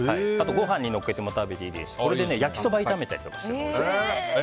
ご飯にのせて食べてもいいですしこれで焼きそば炒めたりしてもおいしいです。